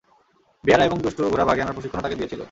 বেয়াড়া এবং দুষ্ট ঘোড়া বাগে আনার প্রশিক্ষণও তাকে দিয়েছিল।